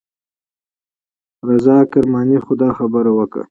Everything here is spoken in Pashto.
رضا کرماني خو دا خبره وکړه.